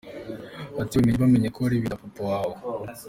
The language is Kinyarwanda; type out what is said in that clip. Ati : babimenye, bamenye ko ari ibintu bya papa wawe.